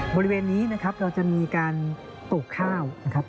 บริเวณนี้นะครับเราจะมีการปลูกข้าวนะครับ